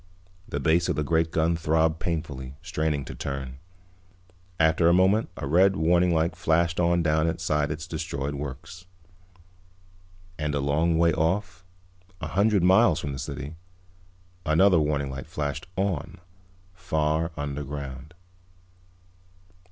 The base of the great gun throbbed painfully, straining to turn. After a moment a red warning light flashed on down inside its destroyed works. And a long way off, a hundred miles from the city, another warning light flashed on, far underground.